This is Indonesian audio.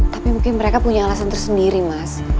tapi mungkin mereka punya alasan tersendiri mas